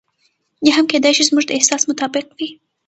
یا هم کېدای شي زموږ د احساس مطابق وي.